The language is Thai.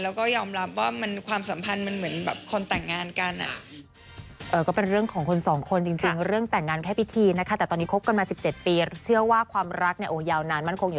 แล้วก็ยอมรับว่าความสัมพันธ์มันเหมือนแบบคนแต่งงานกัน